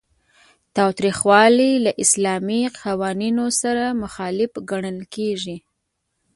تاوتریخوالی له اسلامي قوانینو سره مخالف ګڼل کیږي.